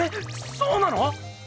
⁉そうなの⁉